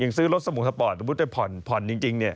อย่างซื้อรถสมุขสปอร์ตสมมุติว่าผ่อนผ่อนจริงเนี่ย